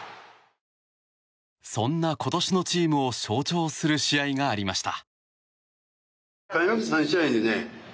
そんな今年のチームを象徴する試合がありました。